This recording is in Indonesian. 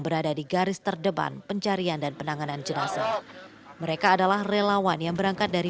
berada di garis terdepan pencarian dan penanganan jenazah mereka adalah relawan yang berangkat dari